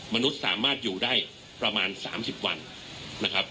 มนุษย์สามารถอยู่ได้ประมาณ๓๐วันนะครับ